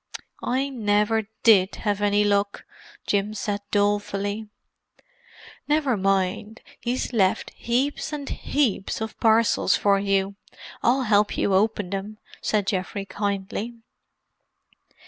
"I never did have any luck," Jim said dolefully. "Never mind—he's left heaps and heaps of parcels for you. I'll help you open them," said Geoffrey kindly.